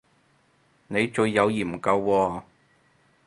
你最有研究喎